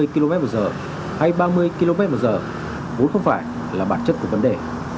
năm mươi kmh hay ba mươi kmh cũng không phải là bản chất của vấn đề